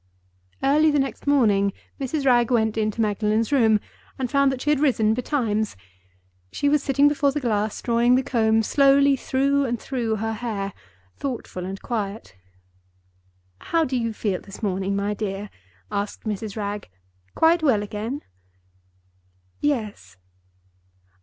Early the next morning Mrs. Wragge went into Magdalen's room, and found that she had risen betimes. She was sitting before the glass, drawing the comb slowly through and through her hair—thoughtful and quiet. "How do you feel this morning, my dear?" asked Mrs. Wragge. "Quite well again?" "Yes."